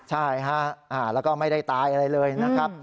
ใช่ฮะแล้วก็ไม่ได้ตายอะไรเลยนะครับ